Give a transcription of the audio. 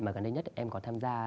mà gần đây nhất em có tham gia